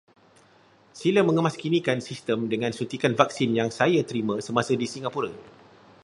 Sila mengemaskinikan sistem dengan suntikan vaksin yang saya terima semasa di Singapura.